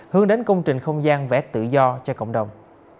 hướng đến công trình không gian vẽ tự do cho cộng đồng